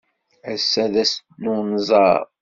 Ass-a d ass n unẓar.